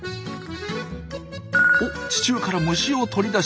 おっ地中から虫を取り出しました。